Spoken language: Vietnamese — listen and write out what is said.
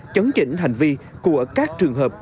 chấn chỉnh hành vi của các trường hợp